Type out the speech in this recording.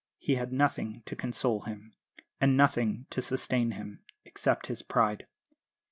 He had nothing to console him, and nothing to sustain him, except his pride.